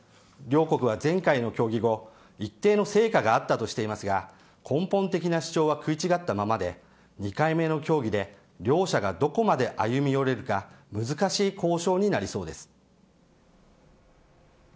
両国は前回の協議後、一定の成果があったとしていますが根本的な主張は食い違ったままで２回目の協議で両者がどこまで歩み寄れるか難しい交渉になりそうです。